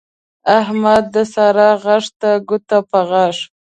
احمد د سارا غږ ته ګوته په غاښ